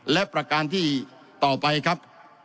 และประการที่ต่อไปครับ